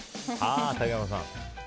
竹山さん。